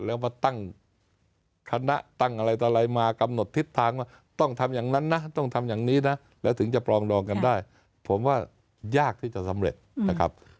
แล้วมาตั้งคณะตั้งอะไรต่ออะไรมากำหนดทิศทางว่าต้องทำอย่างนั้นนะต้องทำอย่างนี้นะแล้วถึงจะปรองดองกันได้ผมว่ายากที่จะสำเร็จนะครับ